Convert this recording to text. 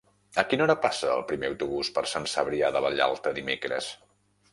A quina hora passa el primer autobús per Sant Cebrià de Vallalta dimecres?